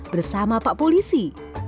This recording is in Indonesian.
bersama pak polisi